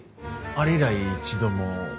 あれ以来一度も。